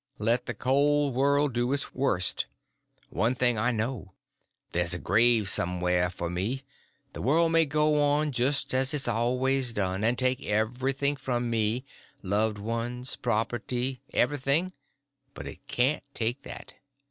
Let the cold world do its worst; one thing I know—there's a grave somewhere for me. The world may go on just as it's always done, and take everything from me—loved ones, property, everything; but it can't take that.